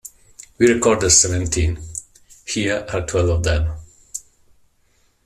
We recorded seventeen-here are twelve of them.